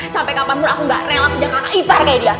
sampai kapanpun aku gak rela menjaga ipar kayak dia